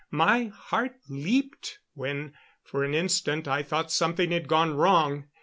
My heart leaped when, for an instant, I thought something had gone wrong.